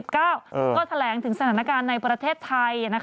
ก็แถลงถึงสถานการณ์ในประเทศไทย